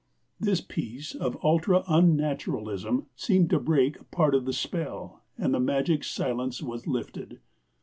This piece of ultra unnaturalism seemed to break part of the spell and the magic silence was lifted.